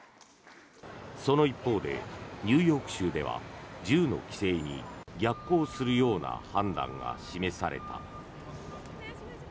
その一方で、ニューヨーク州では銃の規制に逆行するような判断が示された。